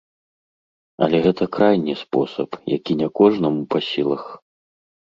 Але гэта крайні спосаб, які не кожнаму па сілах.